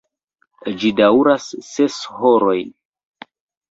Ĝi daŭras ses horojn.